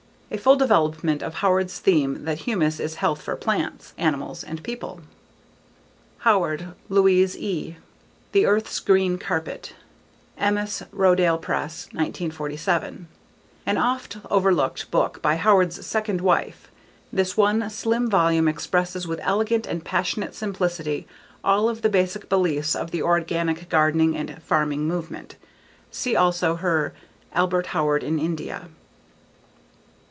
_ A full development of Howard's theme that humus is health for plants, animals and people. Howard, Louise E. The Earth's Green Carpet. Emmaus: Rodale Press, 1947. An oft overlooked book by Howard's second wife. This one, slim volume expresses with elegant and passionate simplicity all of the basic beliefs of the organic gardening and farming movement. See also her _Albert Howard in India.